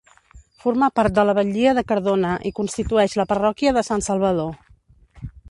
Formà part de la Batllia de Cardona i constitueix la parròquia de Sant Salvador.